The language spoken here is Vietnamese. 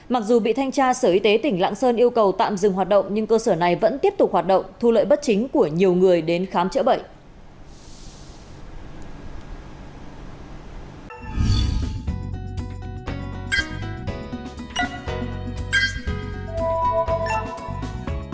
mặc dù bị thanh tra sở y tế tỉnh lạng sơn yêu cầu tạm dừng hoạt động nhưng cơ sở này vẫn tiếp tục hoạt động thu lợi bất chính của nhiều người đến khám chữa bệnh